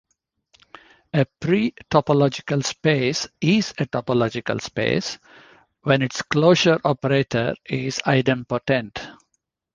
A pretopological space is a topological space when its closure operator is idempotent.